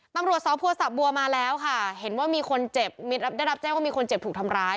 ตำรวจสพสะบัวมาแล้วค่ะเห็นว่ามีคนเจ็บได้รับแจ้งว่ามีคนเจ็บถูกทำร้าย